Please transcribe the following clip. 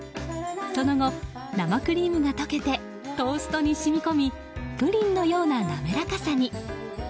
その後、生クリームが溶けてトーストに染み込みプリンのような滑らかさに。